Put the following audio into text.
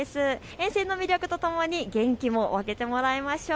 沿線の魅力とともに元気も分けてもらいましょう。